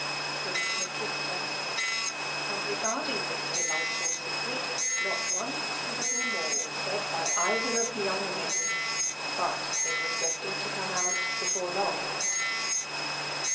Rebecca kissed her. And regarding this delightful secret, not one syllable more was said by either of the young women. But it was destined to come out before long.